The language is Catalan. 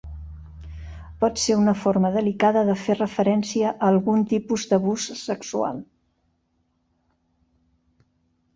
Pot ser una forma delicada de fer referència a algun tipus d'abús sexual.